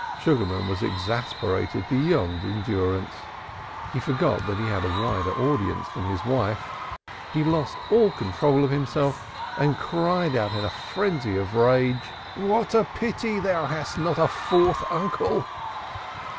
Sugarman was exasperated beyond endurance. He forgot that he had a wider audience than his wife; he lost all control of himself, and cried aloud in a frenzy of rage, "What a pity thou hadst not a fourth uncle!"